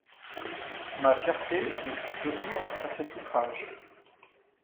Ma fierté ne put tenir à cet outrage.